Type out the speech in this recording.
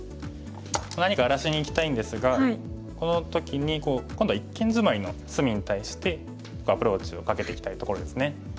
何か荒らしにいきたいんですがこの時に今度は一間ジマリの隅に対してアプローチをかけていきたいところですね。